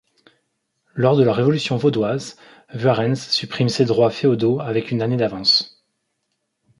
Lors de la révolution vaudoise, Vuarrens supprime ses droits féodaux avec une année d'avance.